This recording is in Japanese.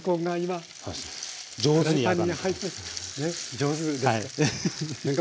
上手ですか？